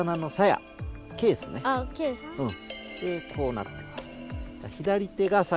でこうなってます。